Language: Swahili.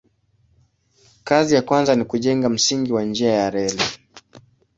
Kazi ya kwanza ni kujenga msingi wa njia ya reli.